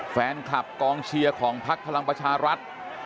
แฟนคลับกองเชียร์ของพักพลังประชารัฐ